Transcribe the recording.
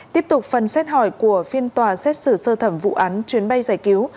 tiếp tục phần xét hỏi của phiên tòa xét xử sơ thẩm vụ án chuyến bay giải cứu